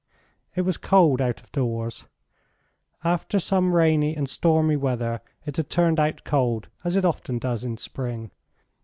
It was cold out of doors. After some rainy and stormy weather it had turned out cold, as it often does in spring.